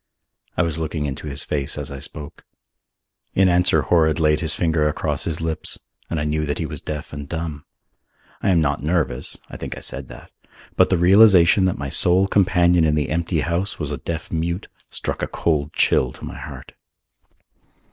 I was looking into his face as I spoke. In answer Horrod laid his finger across his lips and I knew that he was deaf and dumb. I am not nervous (I think I said that), but the realization that my sole companion in the empty house was a deaf mute struck a cold chill to my heart.